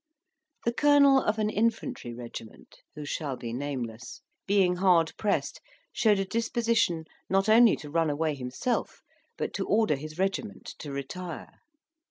The colonel of an infantry regiment, who shall be nameless, being hard pressed, showed a disposition not only to run away himself, but to order his regiment to retire.